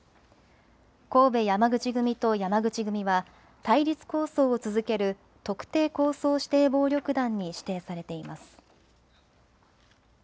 神戸山口組と山口組は対立抗争を続ける特定抗争指定暴力団に指定されています。